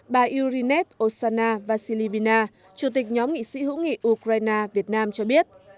bà iurinet osana vasily vina chủ tịch nhóm nghị sĩ hữu nghị ukraine việt nam cho biết